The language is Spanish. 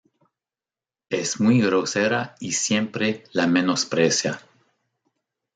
Es muy grosera y siempre la menosprecia.